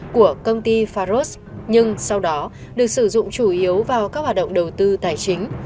của công ty faros nhưng sau đó được sử dụng chủ yếu vào các hoạt động đầu tư tài chính